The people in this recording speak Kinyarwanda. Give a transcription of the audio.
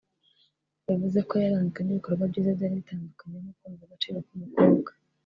yavuze ko yaranzwe n’ibikorwa byiza byari bitandukanye nko kumva agaciro k’ umukobwa